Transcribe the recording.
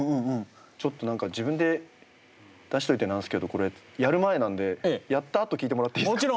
ちょっと何か自分で出しといて何ですけどこれやる前なんでやったあと聴いてもらっていいですか？